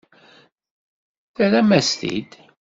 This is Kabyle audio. Terram-as-t-id.